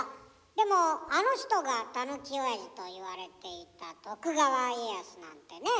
でもあの人が「たぬきおやじ」といわれていた徳川家康なんてねぇ。